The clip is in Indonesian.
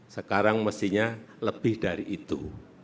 sekarang mestinya lebih dari itu